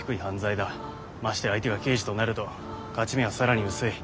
ましてや相手が刑事となると勝ち目は更に薄い。